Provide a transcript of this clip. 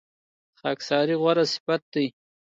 خاکساري غوره صفت دی.